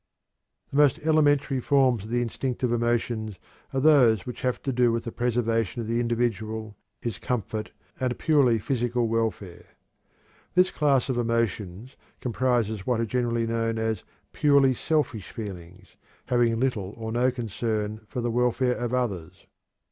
The most elementary forms of the instinctive emotions are those which have to do with the preservation of the individual, his comfort, and personal physical welfare. This class of emotions comprises what are generally known as purely "selfish" feelings, having little or no concern for the welfare of others.